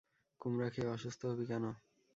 কুমড়া খেয়ে অসুস্থ হবি কেন?